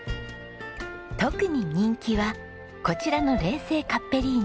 特に人気はこちらの冷製カッペリーニ。